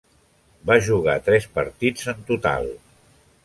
Va jugar tres partits en total.